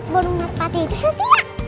burung berpati itu setiap